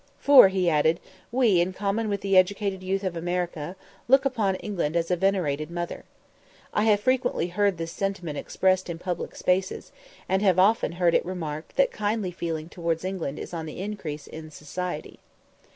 "For," he added, "we, in common with the educated youth of America, look upon England as upon a venerated mother." I have frequently heard this sentiment expressed in public places, and have often heard it remarked that kindly feeling towards England is on the increase in society.